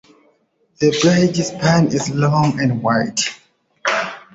The bridge span is long and wide.